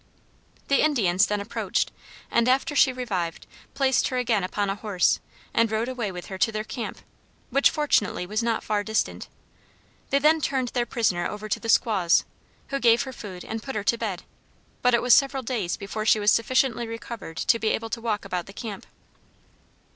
The Indians then approached, and, after she revived, placed her again upon a horse, and rode away with her to their camp, which, fortunately, was not far distant. They then turned their prisoner over to the squaws, who gave her food and put her to bed; but it was several days before she was sufficiently recovered to be able to walk about the camp.